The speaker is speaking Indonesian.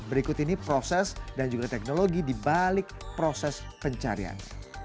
berikut ini proses dan juga teknologi dibalik proses pencarian